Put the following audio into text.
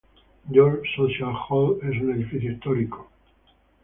George Social Hall", es un edificio histórico en St.